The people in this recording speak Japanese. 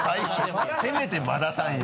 せめて馬田さんよ。